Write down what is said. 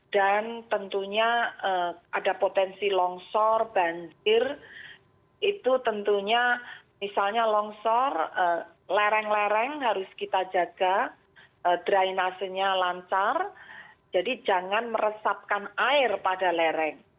dan tentunya ada potensi longsor banjir itu tentunya misalnya longsor lereng lereng harus kita jaga dry nasenya lancar jadi jangan meresapkan air pada lereng